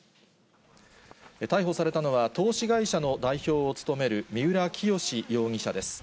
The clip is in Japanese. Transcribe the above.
逮捕されたのは、投資会社の代表を務める三浦清志容疑者です。